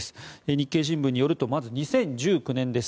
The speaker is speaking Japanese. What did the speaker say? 日経新聞によるとまず２０１９年です。